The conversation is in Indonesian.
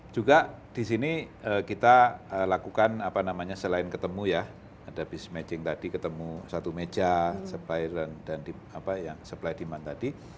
juga di sini kita lakukan apa namanya selain ketemu ya ada bis matching tadi ketemu satu meja supply dan supply demand tadi